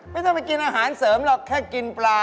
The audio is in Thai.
ไม่ต้องไปกินอาหารเสริมหรอกแค่กินปลา